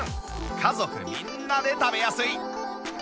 家族みんなで食べやすい